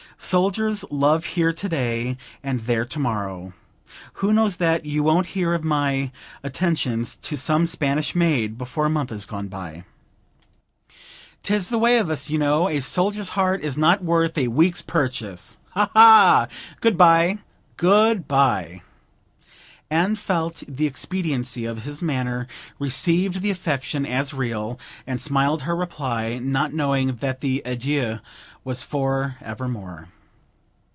Soldiers love here to day and there to morrow. Who knows that you won't hear of my attentions to some Spanish maid before a month is gone by? 'Tis the way of us, you know; a soldier's heart is not worth a week's purchase ha, ha! Goodbye, good bye!' Anne felt the expediency of his manner, received the affectation as real, and smiled her reply, not knowing that the adieu was for evermore.